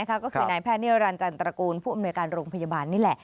ก็คือนายแพทย์นิรันดิจันตระกูลผู้อำนวยการโรงพยาบาลนี่แหละ